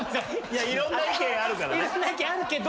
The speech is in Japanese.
いろんな意見あるけど。